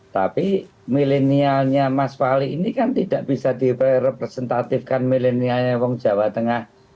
tapi milenialnya mas fahli ini kan tidak bisa direpresentatifkan milenialnya orang jawa tengah